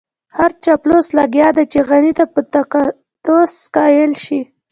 هر چاپلوس لګيا دی چې غني ته په تقدس قايل شي.